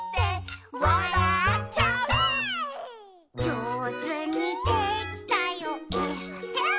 「じょうずにできたよえっへん」